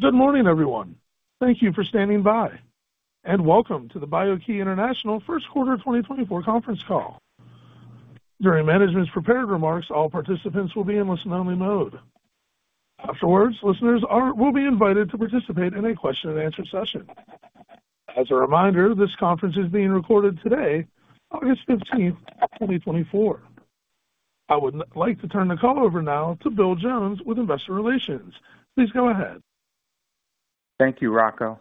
Good morning, everyone. Thank you for standing by, and welcome to the BIO-key International First Quarter 2024 conference call. During management's prepared remarks, all participants will be in listen-only mode. Afterwards, listeners will be invited to participate in a question-and-answer session. As a reminder, this conference is being recorded today, August 15th, 2024. I would now like to turn the call over now to Bill Jones with Investor Relations. Please go ahead. Thank you, Rocco.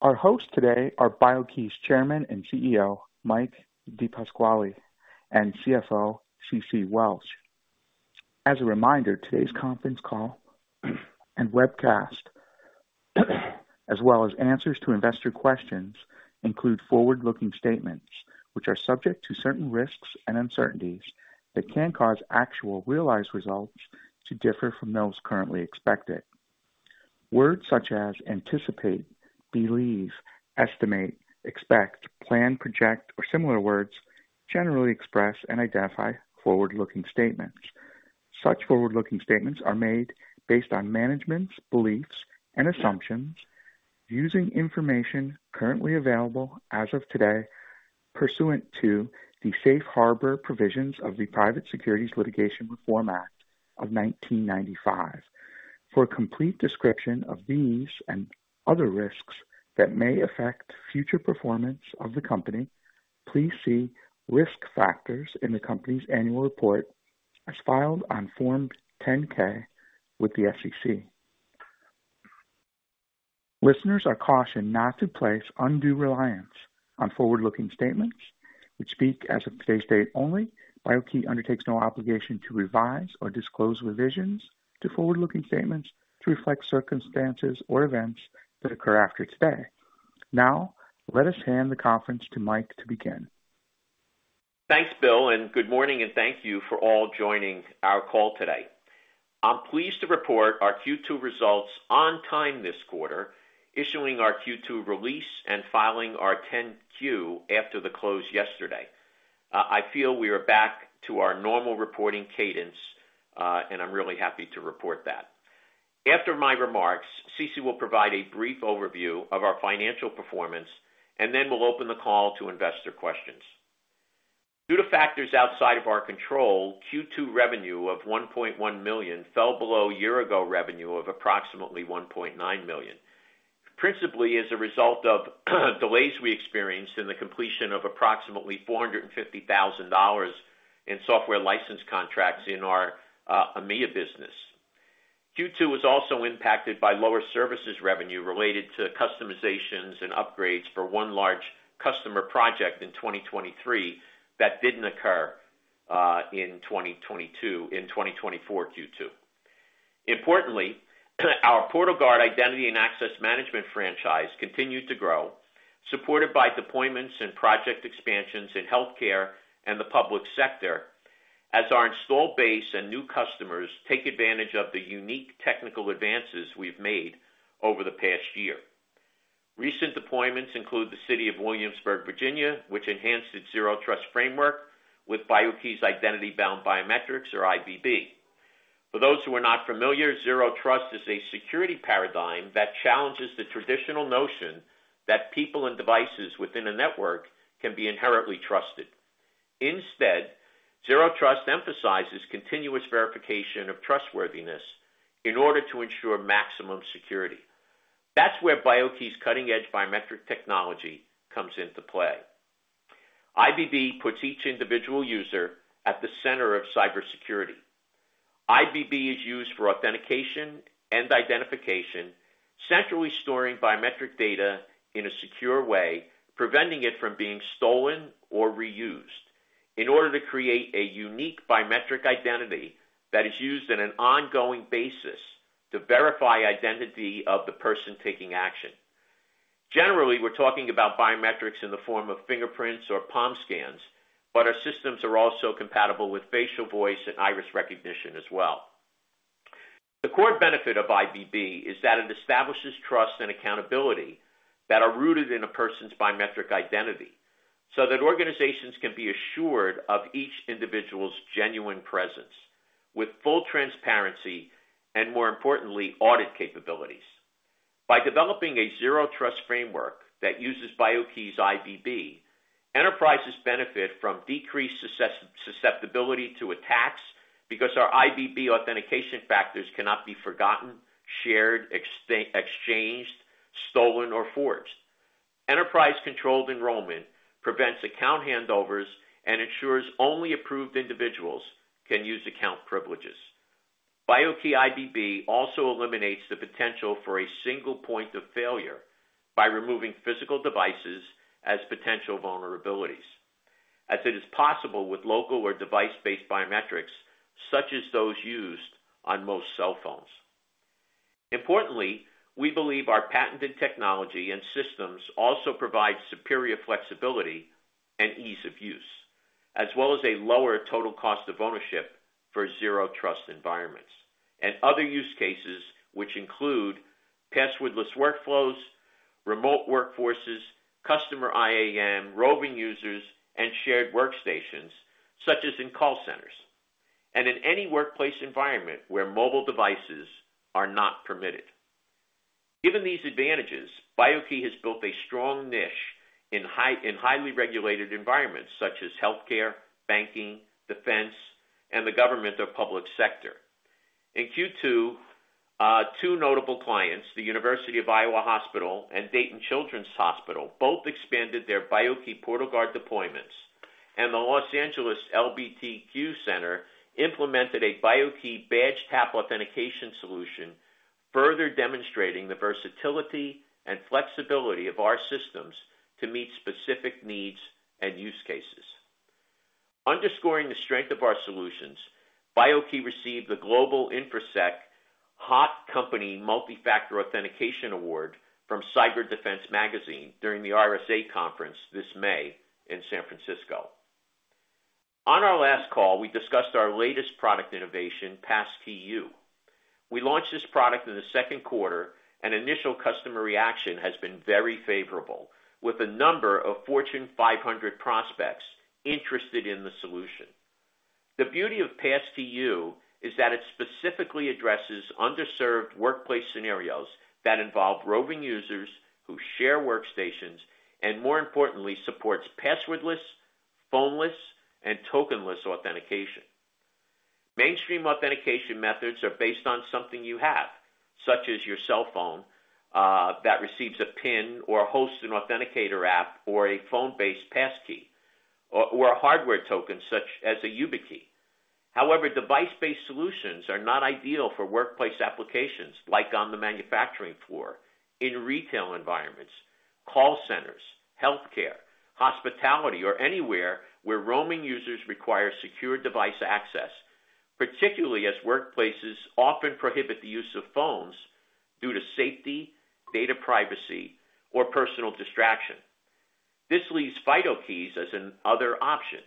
Our hosts today are BIO-key's Chairman and CEO, Mike DePasquale, and CFO, Ceci Welch. As a reminder, today's conference call and webcast, as well as answers to investor questions, include forward-looking statements which are subject to certain risks and uncertainties that can cause actual realized results to differ from those currently expected. Words such as anticipate, believe, estimate, expect, plan, project, or similar words generally express and identify forward-looking statements. Such forward-looking statements are made based on management's beliefs and assumptions using information currently available as of today, pursuant to the Safe Harbor Provisions of the Private Securities Litigation Reform Act of 1995. For a complete description of these and other risks that may affect future performance of the company, please see Risk Factors in the company's Annual Report as filed on Form 10-K with the SEC. Listeners are cautioned not to place undue reliance on forward-looking statements, which speak as of today's date only. BIO-key undertakes no obligation to revise or disclose revisions to forward-looking statements to reflect circumstances or events that occur after today. Now, let us hand the conference to Mike to begin. Thanks, Bill, and good morning and thank you for all joining our call today. I'm pleased to report our Q2 results on time this quarter, issuing our Q2 release and filing our 10-Q after the close yesterday. I feel we are back to our normal reporting cadence, and I'm really happy to report that. After my remarks, Ceci will provide a brief overview of our financial performance, and then we'll open the call to investor questions. Due to factors outside of our control, Q2 revenue of $1.1 million fell below year-ago revenue of approximately $1.9 million, principally as a result of delays we experienced in the completion of approximately $450,000 in software license contracts in our EMEA business. Q2 was also impacted by lower services revenue related to customizations and upgrades for one large customer project in 2023 that didn't occur in 2022 in 2024 Q2. Importantly, our PortalGuard identity and access management franchise continued to grow, supported by deployments and project expansions in healthcare and the public sector as our installed base and new customers take advantage of the unique technical advances we've made over the past year. Recent deployments include the City of Williamsburg, Virginia, which enhanced its Zero Trust framework with BIO-key's Identity-Bound Biometrics or IBB. For those who are not familiar, Zero Trust is a security paradigm that challenges the traditional notion that people and devices within a network can be inherently trusted. Instead, Zero Trust emphasizes continuous verification of trustworthiness in order to ensure maximum security. That's where BIO-key's cutting-edge biometric technology comes into play. IBB puts each individual user at the center of cybersecurity. IBB is used for authentication and identification, centrally storing biometric data in a secure way, preventing it from being stolen or reused in order to create a unique biometric identity that is used on an ongoing basis to verify identity of the person taking action. Generally, we're talking about biometrics in the form of fingerprints or palm scans, but our systems are also compatible with facial, voice, and iris recognition as well. The core benefit of IBB is that it establishes trust and accountability that are rooted in a person's biometric identity, so that organizations can be assured of each individual's genuine presence with full transparency and, more importantly, audit capabilities. By developing a Zero Trust framework that uses BIO-key's IBB, enterprises benefit from decreased susceptibility to attacks because our IBB authentication factors cannot be forgotten, shared, exchanged, stolen, or forged. Enterprise-controlled enrollment prevents account handovers and ensures only approved individuals can use account privileges. BIO-key IBB also eliminates the potential for a single point of failure by removing physical devices as potential vulnerabilities, as it is possible with local or device-based biometrics, such as those used on most cell phones. Importantly, we believe our patented technology and systems also provide superior flexibility and ease of use, as well as a lower total cost of ownership for Zero Trust environments and other use cases, which include passwordless workflows, remote workforces, customer IAM, roving users, and shared workstations, such as in call centers, and in any workplace environment where mobile devices are not permitted. Given these advantages, BIO-key has built a strong niche in highly regulated environments such as healthcare, banking, defense, and the government or public sector. In Q2, two notable clients, the University of Iowa Hospitals & Clinics and Dayton Children's Hospital, both expanded their BIO-key PortalGuard deployments, and the Los Angeles LGBT Center implemented a BIO-key badge tap authentication solution, further demonstrating the versatility and flexibility of our systems to meet specific needs and use cases. Underscoring the strength of our solutions, BIO-key received the Global InfoSec Hot Company Multi-Factor Authentication Award from Cyber Defense Magazine during the RSA Conference this May in San Francisco. On our last call, we discussed our latest product innovation, Passkey:YOU. We launched this product in the second quarter, and initial customer reaction has been very favorable, with a number of Fortune 500 prospects interested in the solution. The beauty of Passkey:YOU is that it specifically addresses underserved workplace scenarios that involve roving users who share workstations, and more importantly, supports passwordless, phoneless, and tokenless authentication. Mainstream authentication methods are based on something you have, such as your cell phone, that receives a pin or hosts an authenticator app, or a phone-based passkey, or, or a hardware token, such as a YubiKey. However, device-based solutions are not ideal for workplace applications like on the manufacturing floor, in retail environments, call centers, healthcare, hospitality, or anywhere where roaming users require secure device access, particularly as workplaces often prohibit the use of phones due to safety, data privacy, or personal distraction. This leaves FIDO keys as another option.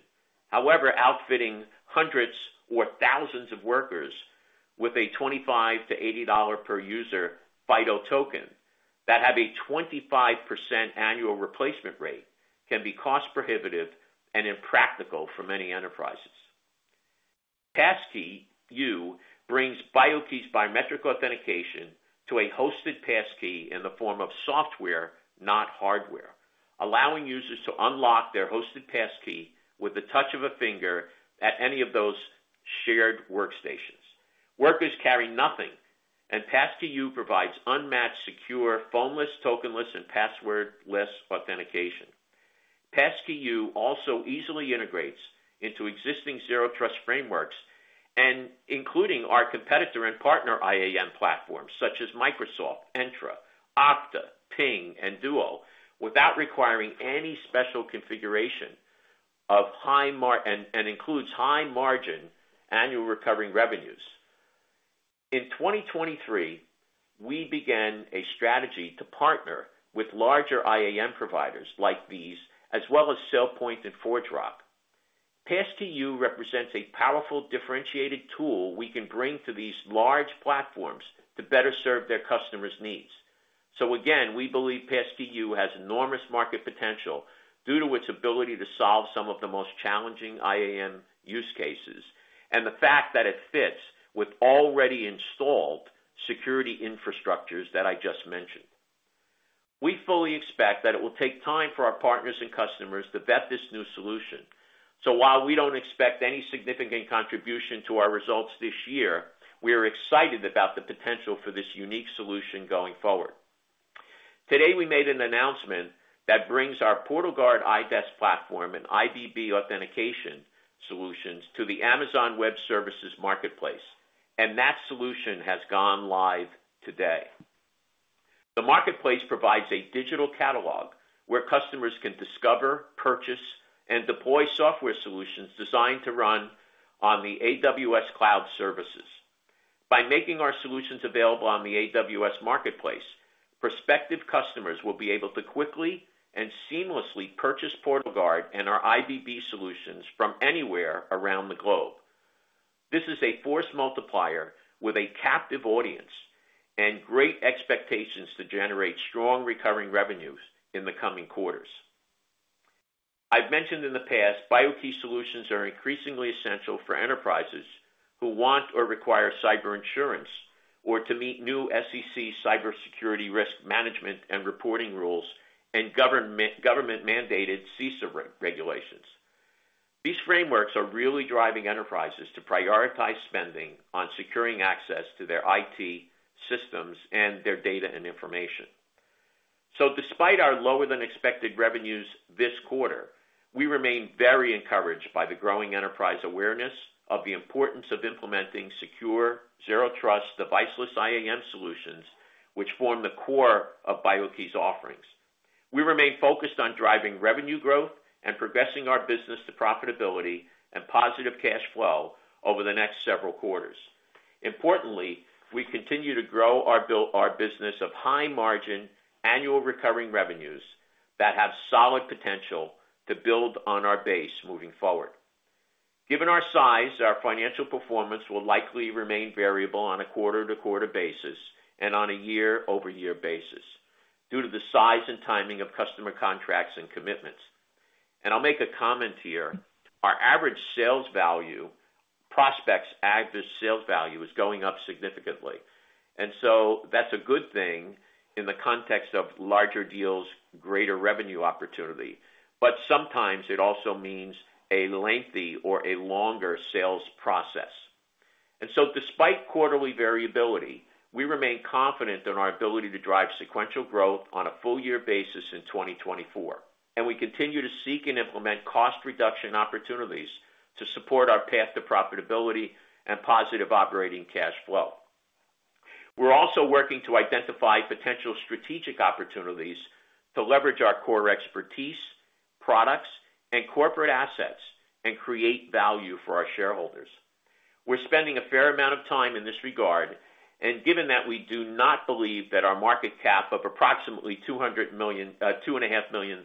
However, outfitting hundreds or thousands of workers with a $25-$80 per user FIDO token that have a 25% annual replacement rate, can be cost prohibitive and impractical for many enterprises. Passkey:YOU brings BIO-key's biometric authentication to a hosted passkey in the form of software, not hardware, allowing users to unlock their hosted passkey with the touch of a finger at any of those shared workstations. Workers carry nothing, and Passkey:YOU provides unmatched, secure, phoneless, tokenless, and passwordless authentication. Passkey:YOU also easily integrates into existing Zero Trust frameworks, including our competitor and partner IAM platforms such as Microsoft Entra, Okta, Ping, and Duo, without requiring any special configuration, and includes high-margin annual recurring revenues. In 2023, we began a strategy to partner with larger IAM providers like these, as well as SailPoint and ForgeRock. Passkey:YOU represents a powerful, differentiated tool we can bring to these large platforms to better serve their customers' needs. So again, we believe Passkey:YOU has enormous market potential due to its ability to solve some of the most challenging IAM use cases, and the fact that it fits with already installed security infrastructures that I just mentioned. We fully expect that it will take time for our partners and customers to vet this new solution. So while we don't expect any significant contribution to our results this year, we are excited about the potential for this unique solution going forward. Today, we made an announcement that brings our PortalGuard IDaaS platform and IBB authentication solutions to the Amazon Web Services Marketplace, and that solution has gone live today. The marketplace provides a digital catalog where customers can discover, purchase, and deploy software solutions designed to run on the AWS cloud services. By making our solutions available on the AWS Marketplace, prospective customers will be able to quickly and seamlessly purchase PortalGuard and our IBB solutions from anywhere around the globe. This is a force multiplier with a captive audience and great expectations to generate strong, recurring revenues in the coming quarters. I've mentioned in the past, BIO-key solutions are increasingly essential for enterprises who want or require cyber insurance, or to meet new SEC cybersecurity risk management and reporting rules, and government-mandated CISA regulations. These frameworks are really driving enterprises to prioritize spending on securing access to their IT systems and their data and information. So despite our lower-than-expected revenues this quarter, we remain very encouraged by the growing enterprise awareness of the importance of implementing secure, Zero Trust, deviceless IAM solutions, which form the core of BIO-key's offerings. We remain focused on driving revenue growth and progressing our business to profitability and positive cash flow over the next several quarters. Importantly, we continue to grow our business of high-margin, annual recurring revenues that have solid potential to build on our base moving forward. Given our size, our financial performance will likely remain variable on a quarter-to-quarter basis and on a year-over-year basis, due to the size and timing of customer contracts and commitments. I'll make a comment here. Our average sales value, prospects' average sales value, is going up significantly, and so that's a good thing in the context of larger deals, greater revenue opportunity, but sometimes it also means a lengthy or a longer sales process. Despite quarterly variability, we remain confident in our ability to drive sequential growth on a full year basis in 2024, and we continue to seek and implement cost reduction opportunities to support our path to profitability and positive operating cash flow. We're also working to identify potential strategic opportunities to leverage our core expertise, products, and corporate assets and create value for our shareholders. We're spending a fair amount of time in this regard, and given that we do not believe that our market cap of approximately $200 million, $2.5 million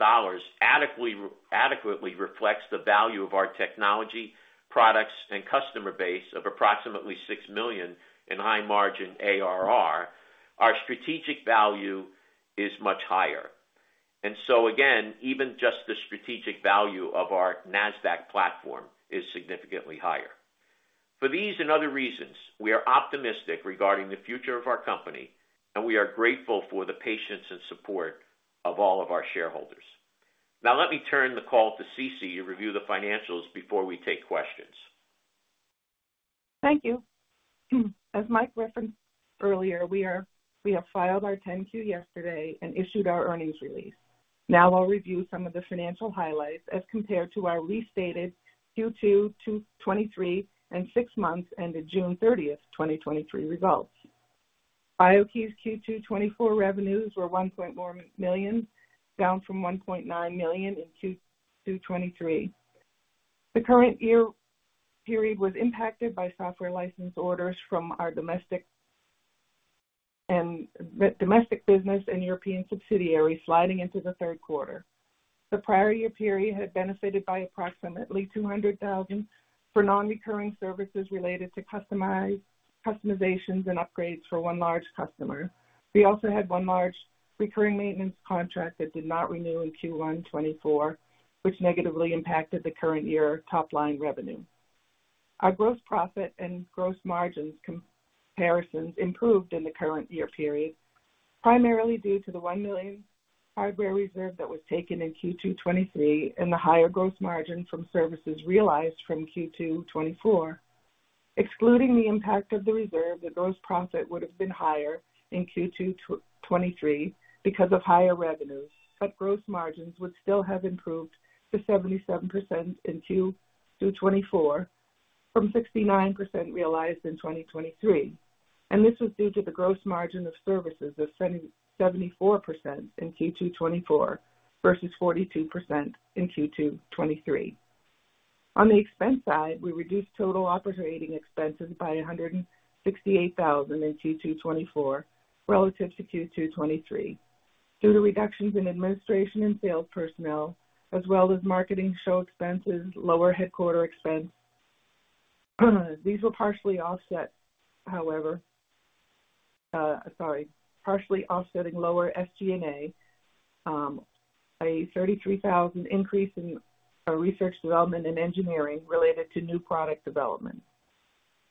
adequately reflects the value of our technology, products, and customer base of approximately $6 million in high-margin ARR, our strategic value is much higher. And so again, even just the strategic value of our NASDAQ platform is significantly higher. For these and other reasons, we are optimistic regarding the future of our company, and we are grateful for the patience and support of all of our shareholders. Now, let me turn the call to Ceci to review the financials before we take questions. Thank you. As Mike referenced earlier, we have filed our 10-Q yesterday and issued our earnings release. Now, I'll review some of the financial highlights as compared to our restated Q2 2023 and six months ended June 30, 2023 results. BIO-key's Q2 2024 revenues were $1.0 million, down from $1.9 million in Q2 2023. The current year period was impacted by software license orders from our domestic and domestic business and European subsidiaries sliding into the third quarter. The prior year period had benefited by approximately $200,000 for non-recurring services related to customizations and upgrades for one large customer. We also had one large recurring maintenance contract that did not renew in Q1 2024, which negatively impacted the current year's top-line revenue. Our gross profit and gross margins comparisons improved in the current year period, primarily due to the $1 million hardware reserve that was taken in Q2 2023, and the higher gross margin from services realized from Q2 2024. Excluding the impact of the reserve, the gross profit would have been higher in Q2 2023 because of higher revenues, but gross margins would still have improved to 77% in Q2 2024 from 69% realized in 2023. And this was due to the gross margin of services of 74% in Q2 2024 versus 42% in Q2 2023. On the expense side, we reduced total operating expenses by $168,000 in Q2 2024 relative to Q2 2023. Due to reductions in administration and sales personnel, as well as marketing show expenses, lower headquarter expense. These were partially offset, however, partially offsetting lower SG&A, a $33,000 increase in our research, development, and engineering related to new product development.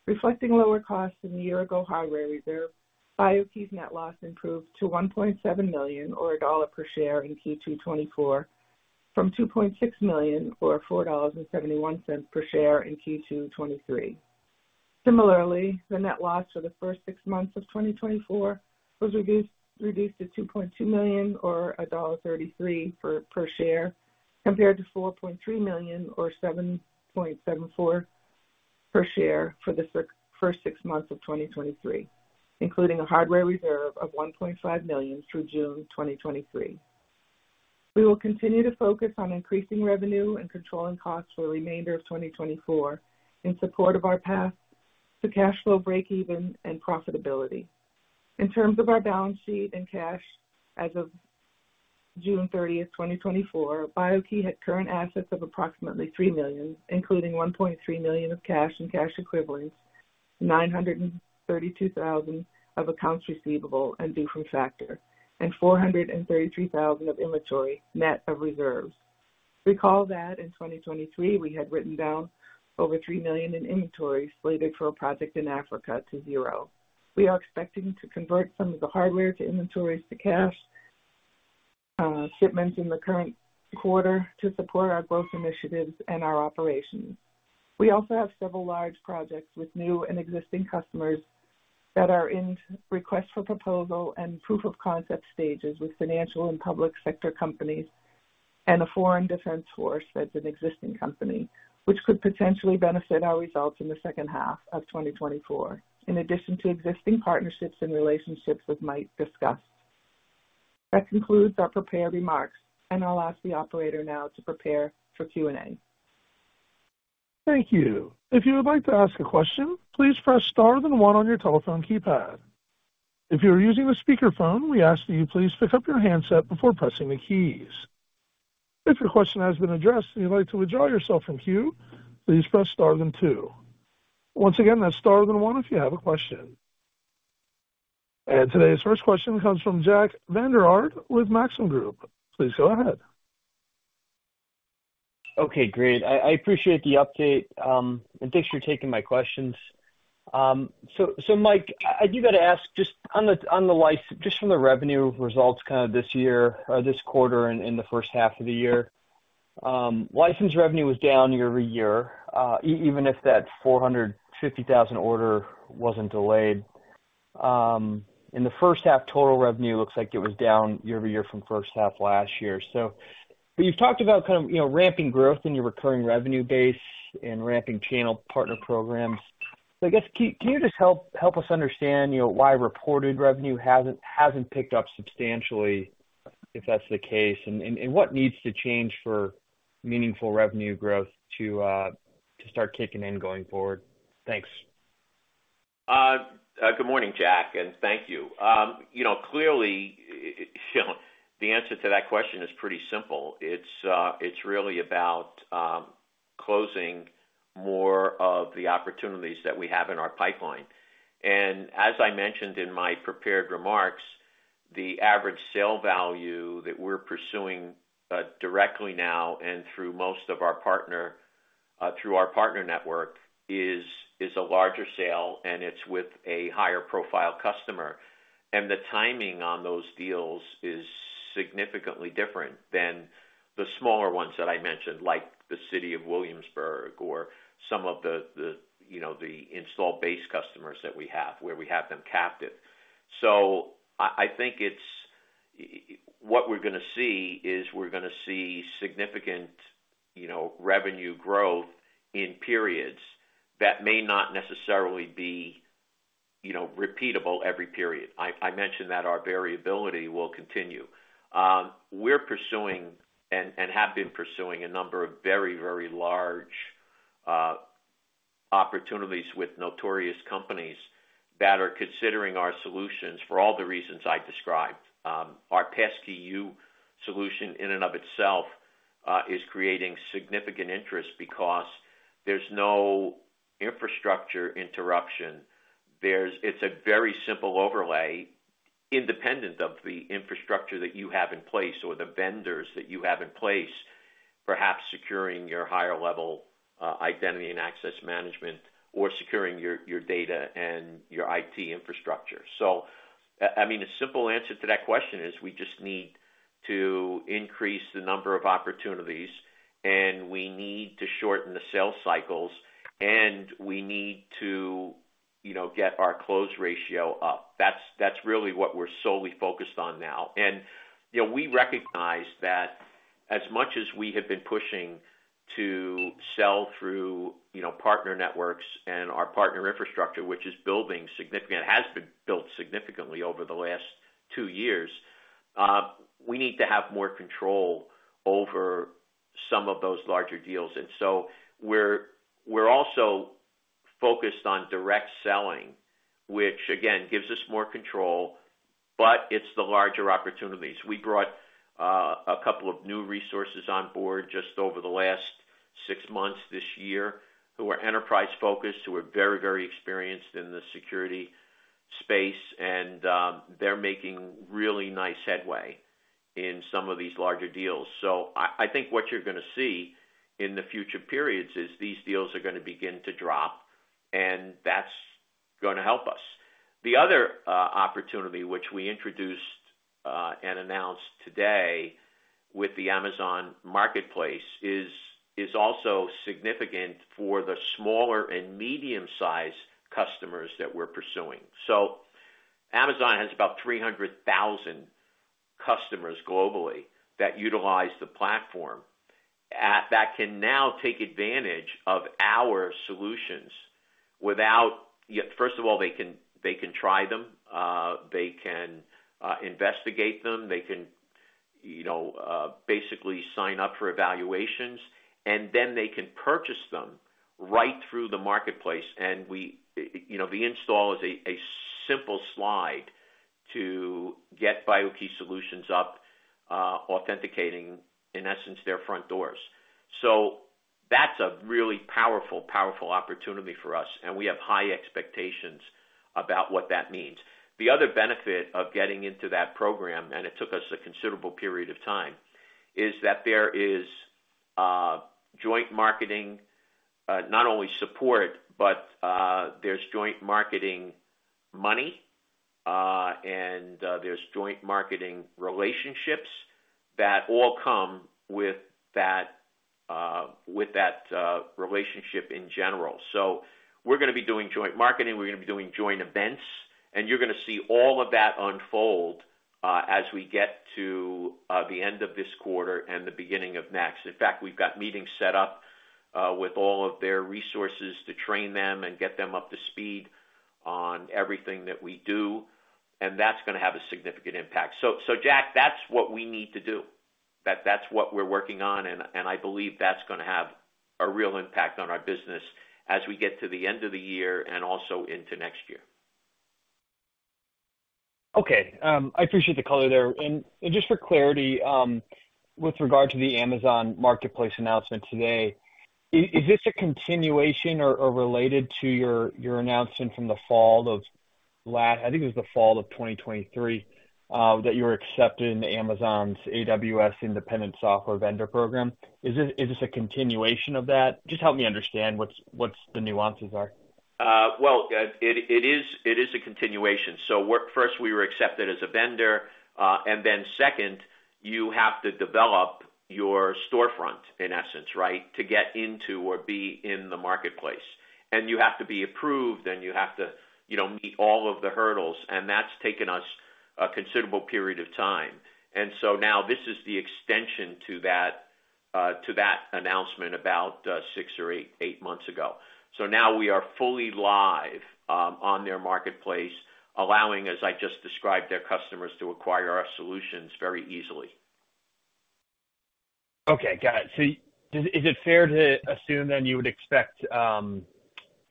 Reflecting lower costs than the year-ago hardware reserve, BIO-key's net loss improved to $1.7 million or $1 per share in Q2 2024, from $2.6 million, or $4.71 per share in Q2 2023. Similarly, the net loss for the first six months of 2024 was reduced to $2.2 million or $1.33 per share, compared to $4.3 million or $7.74 per share for the first six months of 2023, including a hardware reserve of $1.5 million through June 2023. We will continue to focus on increasing revenue and controlling costs for the remainder of 2024 in support of our path to cash flow, breakeven and profitability. In terms of our balance sheet and cash, as of June 30, 2024, BIO-key had current assets of approximately $3 million, including $1.3 million of cash and cash equivalents, $932,000 of accounts receivable and due from factor, and $433,000 of inventory, net of reserves. Recall that in 2023, we had written down over $3 million in inventories slated for a project in Africa to zero. We are expecting to convert some of the hardware to inventories to cash shipments in the current quarter to support our growth initiatives and our operations. We also have several large projects with new and existing customers that are in request for proposal and proof of concept stages with financial and public sector companies and a foreign defense force that's an existing company, which could potentially benefit our results in the second half of 2024, in addition to existing partnerships and relationships with Mike discussed. That concludes our prepared remarks, and I'll ask the operator now to prepare for Q&A. Thank you. If you would like to ask a question, please press star then one on your telephone keypad. If you are using a speakerphone, we ask that you please pick up your handset before pressing the keys. If your question has been addressed and you'd like to withdraw yourself from queue, please press star then two. Once again, that's star then one, if you have a question. Today's first question comes from Jack Vander Aarde with Maxim Group. Please go ahead. Okay, great. I appreciate the update, and thanks for taking my questions. So, Mike, I do gotta ask, just from the revenue results, kind of this year, this quarter and in the first half of the year, license revenue was down year-over-year, even if that $450,000 order wasn't delayed. In the first half, total revenue looks like it was down year-over-year from first half last year. So, but you've talked about kind of, you know, ramping growth in your recurring revenue base and ramping channel partner programs. So I guess, can you just help us understand, you know, why reported revenue hasn't picked up substantially, if that's the case, and what needs to change for meaningful revenue growth to start kicking in going forward? Thanks. Good morning, Jack, and thank you. You know, clearly, the answer to that question is pretty simple. It's really about closing more of the opportunities that we have in our pipeline. And as I mentioned in my prepared remarks, the average sale value that we're pursuing directly now and through most of our partner through our partner network is a larger sale, and it's with a higher profile customer. And the timing on those deals is significantly different than the smaller ones that I mentioned, like the city of Williamsburg or some of the you know the install-based customers that we have, where we have them captive. I think what we're gonna see is we're gonna see significant, you know, revenue growth in periods that may not necessarily be, you know, repeatable every period. I mentioned that our variability will continue. We're pursuing and have been pursuing a number of very, very large opportunities with notorious companies that are considering our solutions for all the reasons I described. Our Passkey:YOU solution, in and of itself, is creating significant interest because there's no infrastructure interruption. It's a very simple overlay, independent of the infrastructure that you have in place or the vendors that you have in place, perhaps securing your higher level identity and access management or securing your, your data and your IT infrastructure. So, I mean, a simple answer to that question is we just need to increase the number of opportunities, and we need to shorten the sales cycles, and we need to, you know, get our close ratio up. That's, that's really what we're solely focused on now. And, you know, we recognize that as much as we have been pushing to sell through, you know, partner networks and our partner infrastructure, which has been built significantly over the last two years, we need to have more control over some of those larger deals. And so we're, we're also focused on direct selling, which again, gives us more control, but it's the larger opportunities. We brought a couple of new resources on board just over the last six months this year, who are enterprise-focused, who are very, very experienced in the security space, and they're making really nice headway in some of these larger deals. So I think what you're gonna see in the future periods is these deals are gonna begin to drop, and that's gonna help us. The other opportunity, which we introduced and announced today with the Amazon Marketplace, is also significant for the smaller and medium-sized customers that we're pursuing. So Amazon has about 300,000 customers globally that utilize the platform that can now take advantage of our solutions without—Yeah, first of all, they can, they can try them, they can investigate them, they can, you know, basically sign up for evaluations, and then they can purchase them right through the marketplace. And we, you know, the install is a simple slide to get BIO-key solutions up, authenticating, in essence, their front doors. So that's a really powerful, powerful opportunity for us, and we have high expectations about what that means. The other benefit of getting into that program, and it took us a considerable period of time, is that there is joint marketing, not only support, but there's joint marketing money, and there's joint marketing relationships that all come with that, with that relationship in general. So we're gonna be doing joint marketing, we're gonna be doing joint events, and you're gonna see all of that unfold, as we get to, the end of this quarter and the beginning of next. In fact, we've got meetings set up, with all of their resources to train them and get them up to speed on everything that we do, and that's gonna have a significant impact. So, so, Jack, that's what we need to do. That's what we're working on, and, and I believe that's gonna have a real impact on our business as we get to the end of the year and also into next year. Okay, I appreciate the color there. And just for clarity, with regard to the Amazon Marketplace announcement today, is this a continuation or related to your announcement from the fall of last—I think it was the fall of 2023, that you were accepted into Amazon's AWS Independent Software Vendor program. Is this a continuation of that? Just help me understand what's the nuances are. Well, it is a continuation. So we're first, we were accepted as a vendor, and then second, you have to develop your storefront, in essence, right? To get into or be in the marketplace. And you have to be approved, and you have to, you know, meet all of the hurdles, and that's taken us a considerable period of time. And so now this is the extension to that, to that announcement about 6 or 8 months ago. So now we are fully live on their marketplace, allowing, as I just described, their customers to acquire our solutions very easily. Okay, got it. So is it fair to assume then you would expect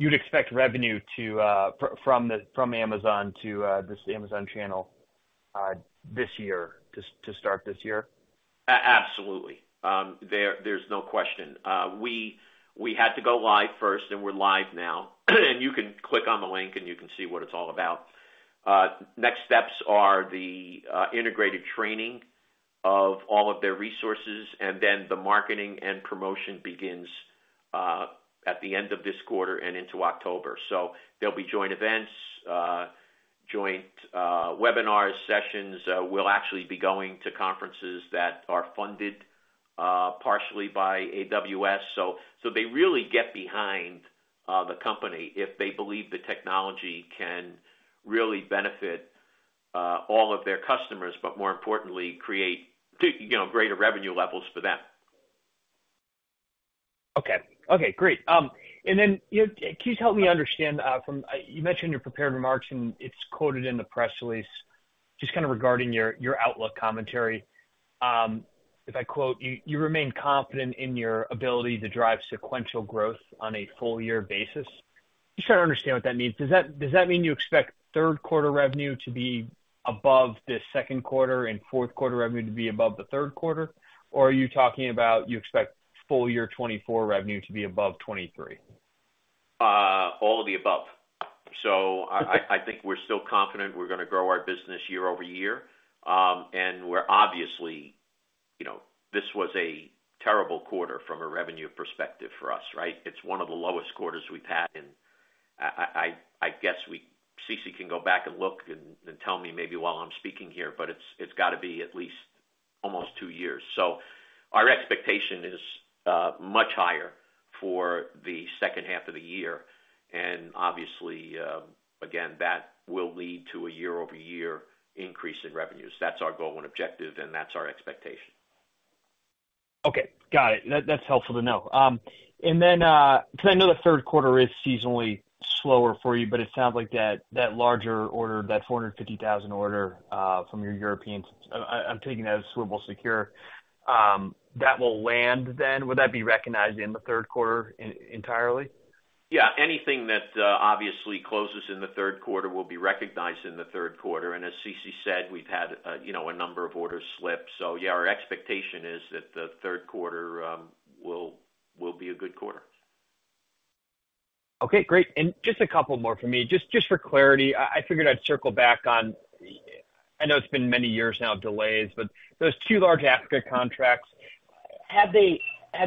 you'd expect revenue from Amazon to this Amazon channel this year to start this year? Absolutely. There's no question. We had to go live first, and we're live now. You can click on the link, and you can see what it's all about. Next steps are the integrated training of all of their resources, and then the marketing and promotion begins at the end of this quarter and into October. So there'll be joint events, joint webinar sessions. We'll actually be going to conferences that are funded partially by AWS. So they really get behind the company if they believe the technology can really benefit all of their customers, but more importantly, create, you know, greater revenue levels for them. Okay. Okay, great. And then, you know, can you help me understand, from... You mentioned in your prepared remarks, and it's quoted in the press release, just kind of regarding your, your outlook commentary. If I quote, "You, you remain confident in your ability to drive sequential growth on a full year basis." Just trying to understand what that means. Does that, does that mean you expect third quarter revenue to be above the second quarter and fourth quarter revenue to be above the third quarter? Or are you talking about you expect full year 2024 revenue to be above 2023? All of the above. So I think we're still confident we're gonna grow our business year-over-year. And we're obviously, you know, this was a terrible quarter from a revenue perspective for us, right? It's one of the lowest quarters we've had, and I guess we— Ceci can go back and look and tell me maybe while I'm speaking here, but it's got to be at least almost two years. So our expectation is much higher for the second half of the year, and obviously, again, that will lead to a year-over-year increase in revenues. That's our goal and objective, and that's our expectation. Okay, got it. That, that's helpful to know. And then, because I know the third quarter is seasonally slower for you, but it sounds like that, that larger order, that $450,000 order, from your European, I'm taking that as Swivel Secure, that will land then. Would that be recognized in the third quarter entirely? Yeah, anything that obviously closes in the third quarter will be recognized in the third quarter, and as Ceci said, we've had, you know, a number of orders slip. So yeah, our expectation is that the third quarter will be a good quarter. Okay, great. And just a couple more for me, just for clarity. I figured I'd circle back on, I know it's been many years now of delays, but those two large Africa contracts, have they— I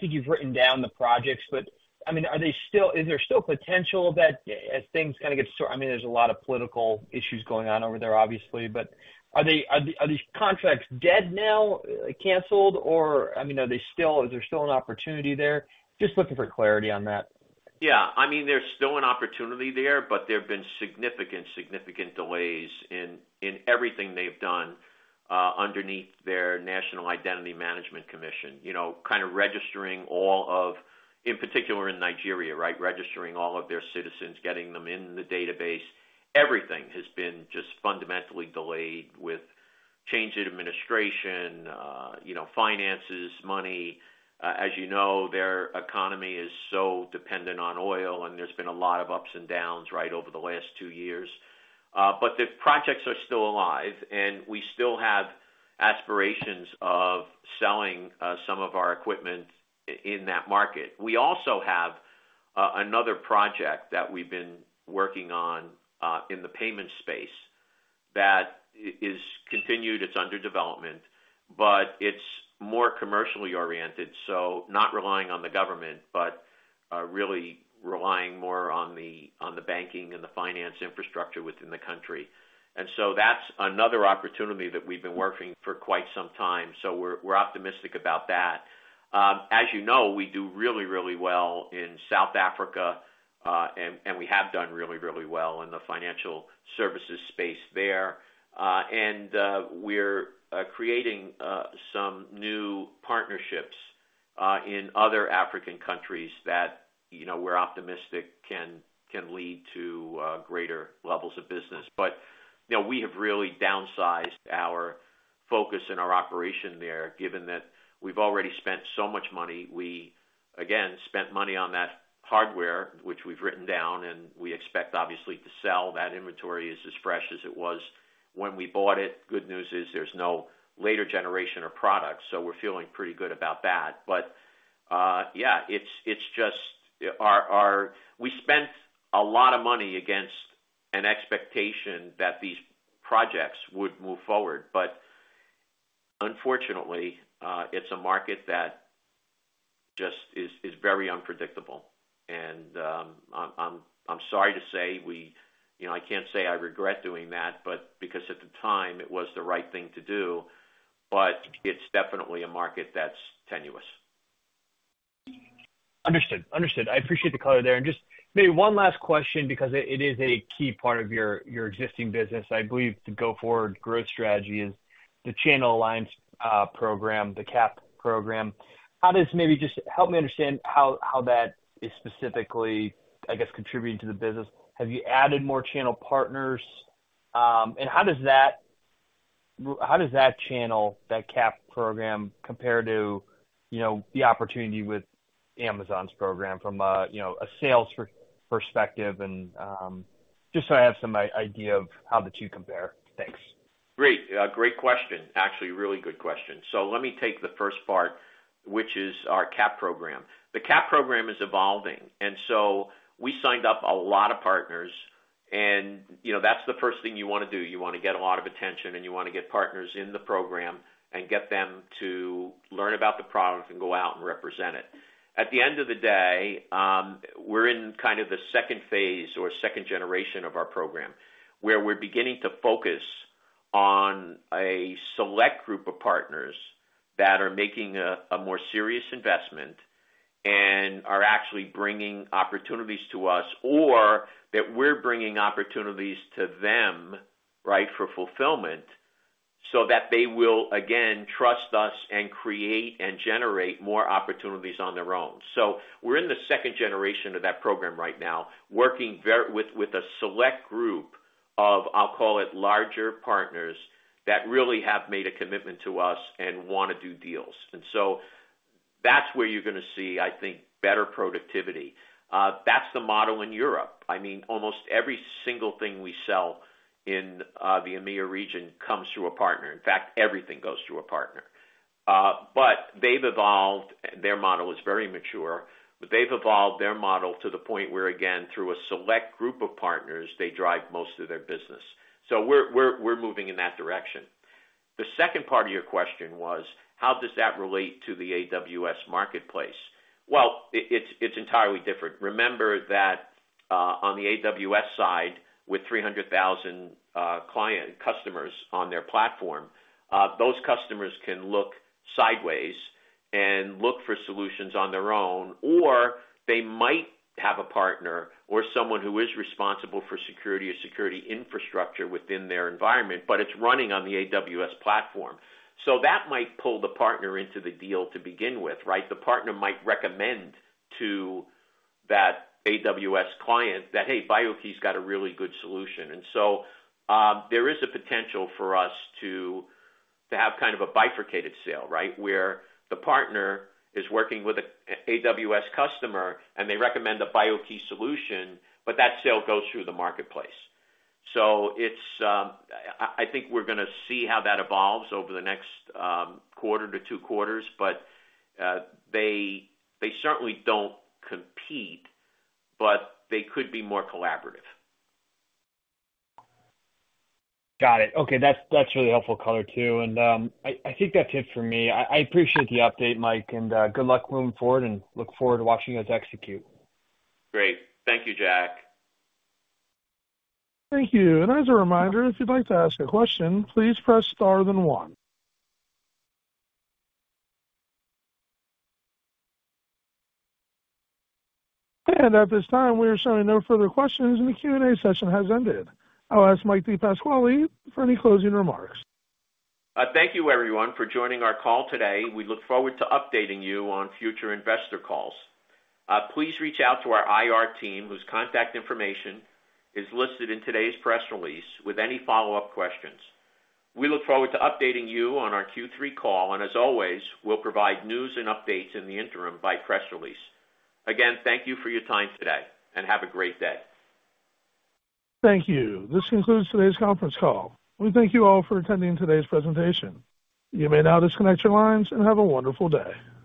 think you've written down the projects, but, I mean, are they still— is there still potential that as things kind of get sorted, I mean, there's a lot of political issues going on over there, obviously, but are they— are these contracts dead now, canceled, or, I mean, are they still— is there still an opportunity there? Just looking for clarity on that. Yeah. I mean, there's still an opportunity there, but there have been significant, significant delays in everything they've done underneath their National Identity Management Commission. You know, kind of registering all of... in particular in Nigeria, right? Registering all of their citizens, getting them in the database. Everything has been just fundamentally delayed with change in administration, you know, finances, money. As you know, their economy is so dependent on oil, and there's been a lot of ups and downs, right, over the last two years. But the projects are still alive, and we still have aspirations of selling some of our equipment in that market. We also have another project that we've been working on in the payment space that is continued. It's under development, but it's more commercially oriented, so not relying on the government, but really relying more on the banking and the finance infrastructure within the country. And so that's another opportunity that we've been working for quite some time, so we're optimistic about that. As you know, we do really, really well in South Africa, and we have done really, really well in the financial services space there. And we're creating some new in other African countries that, you know, we're optimistic can lead to greater levels of business. But, you know, we have really downsized our focus and our operation there, given that we've already spent so much money. We, again, spent money on that hardware, which we've written down, and we expect, obviously, to sell. That inventory is as fresh as it was when we bought it. Good news is there's no later generation or product, so we're feeling pretty good about that. But, yeah, it's just our, we spent a lot of money against an expectation that these projects would move forward. But unfortunately, it's a market that just is very unpredictable. And, I'm sorry to say we, you know, I can't say I regret doing that, but because at the time it was the right thing to do, but it's definitely a market that's tenuous. Understood. Understood. I appreciate the color there. And just maybe one last question, because it, it is a key part of your, your existing business. I believe the go-forward growth strategy is the Channel Alliance Program, the CAP program. How does maybe just help me understand how, how that is specifically, I guess, contributing to the business. Have you added more channel partners? And how does that channel, that CAP program, compare to, you know, the opportunity with Amazon's program from a, you know, a sales perspective and just so I have some idea of how the two compare. Thanks. Great. Great question. Actually, really good question. So let me take the first part, which is our CAP program. The CAP program is evolving, and so we signed up a lot of partners, and, you know, that's the first thing you wanna do. You wanna get a lot of attention, and you wanna get partners in the program and get them to learn about the product and go out and represent it. At the end of the day, we're in kind of the second phase or second generation of our program, where we're beginning to focus on a select group of partners that are making a, a more serious investment and are actually bringing opportunities to us, or that we're bringing opportunities to them, right, for fulfillment, so that they will again trust us and create and generate more opportunities on their own. So we're in the second generation of that program right now, working with a select group of, I'll call it, larger partners that really have made a commitment to us and wanna do deals. And so that's where you're gonna see, I think, better productivity. That's the model in Europe. I mean, almost every single thing we sell in the EMEA region comes through a partner. In fact, everything goes through a partner. But they've evolved. Their model is very mature, but they've evolved their model to the point where, again, through a select group of partners, they drive most of their business. So we're moving in that direction. The second part of your question was, how does that relate to the AWS Marketplace? Well, it's entirely different. Remember that, on the AWS side, with 300,000 client-customers on their platform, those customers can look sideways and look for solutions on their own, or they might have a partner or someone who is responsible for security or security infrastructure within their environment, but it's running on the AWS platform. So that might pull the partner into the deal to begin with, right? The partner might recommend to that AWS client that, "Hey, BIO-key's got a really good solution." And so, there is a potential for us to have kind of a bifurcated sale, right? Where the partner is working with a, an AWS customer, and they recommend a BIO-key solution, but that sale goes through the marketplace. So it's, I think we're gonna see how that evolves over the next, quarter to two quarters. But, they, they certainly don't compete, but they could be more collaborative. Got it. Okay, that's, that's really helpful color, too. And, I think that's it for me. I appreciate the update, Mike, and good luck moving forward and look forward to watching you guys execute. Great. Thank you, Jack. Thank you. As a reminder, if you'd like to ask a question, please press star then one. At this time, we are showing no further questions, and the Q&A session has ended. I'll ask Mike DePasquale for any closing remarks. Thank you, everyone, for joining our call today. We look forward to updating you on future investor calls. Please reach out to our IR team, whose contact information is listed in today's press release with any follow-up questions. We look forward to updating you on our Q3 call, and as always, we'll provide news and updates in the interim by press release. Again, thank you for your time today, and have a great day. Thank you. This concludes today's conference call. We thank you all for attending today's presentation. You may now disconnect your lines, and have a wonderful day.